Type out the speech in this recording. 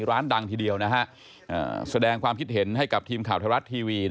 ร้านดังทีเดียวนะฮะแสดงความคิดเห็นให้กับทีมข่าวไทยรัฐทีวี